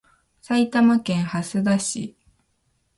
埼玉県蓮田市